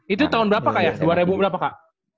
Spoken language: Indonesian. itu tahun berapa kak ya dua ribu berapa kak